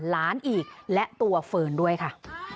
หลานอีกและตัวเฟิร์นด้วยค่ะ